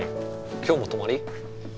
今日も泊まり？